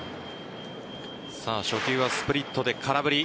初球はスプリットで空振り。